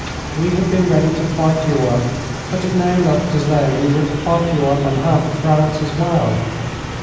We had been ready to fight Europe, but it looked now as though we were to fight Europe and half of France as well.